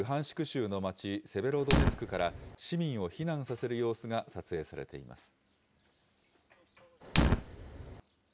州の街、セベロドネツクから、市民を避難させる様子が撮影されています。